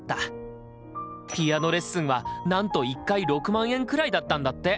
ピアノレッスンはなんと１回６万円くらいだったんだって。